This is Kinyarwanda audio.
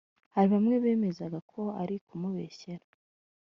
Hari bamwe bemezaga ko ari ukumubeshyera